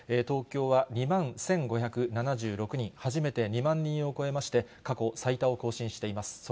東京は２万１５７６人、初めて２万人を超えまして、過去最多を更新しています。